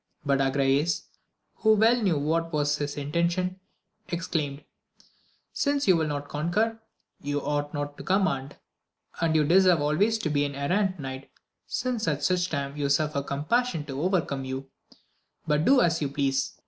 But Agrayes, who well knew what was his intention, exclaimed, Since you will not conquer, you ought not to command, and you deserve always to be an errant knight, since at such a time you suffer compassion to overcome you ; but do as you please